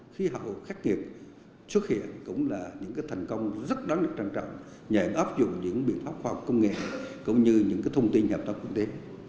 khí hậu khách nghiệp xuất hiện cũng là những thành công rất đáng lực trang trọng nhờ ấp dụng những biện pháp khoa học công nghệ cũng như những thông tin hợp tác quốc tế